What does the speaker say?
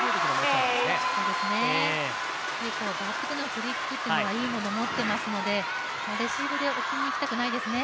フリックというのはいいもの持ってますので、レシーブで置きにいきたくないですね。